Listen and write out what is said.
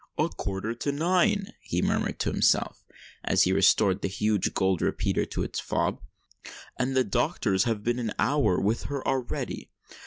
"A quarter to nine!" he murmured to himself, as he restored the huge gold repeater to his fob; "and the doctors have been an hour with her already!